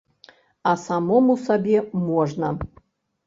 А самому сабе можна.